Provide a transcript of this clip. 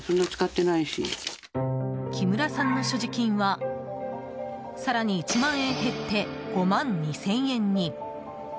木村さんの所持金は更に１万円減って５万２０００円に。